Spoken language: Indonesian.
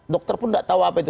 dokter pun tidak tahu apa itu